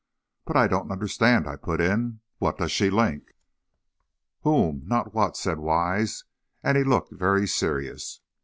"But I don't understand," I put in. "What does she link?" "Whom, not what," said Wise, and he looked very serious.